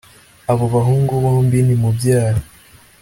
abo bahungu bombi ni mubyara